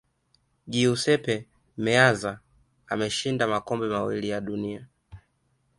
giuseppe meazza ameshinda makombe mawili ya dunia